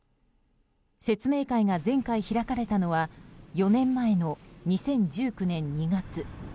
説明会が前回開かれたのは４年前の２０１９年２月。